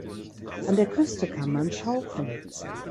An der Küste kann man tauchen.